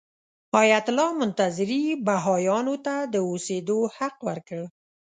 ایت الله منتظري بهايانو ته د اوسېدو حق ورکړ.